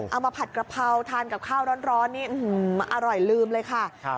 ผัดกระเพราทานกับข้าวร้อนนี่อร่อยลืมเลยค่ะ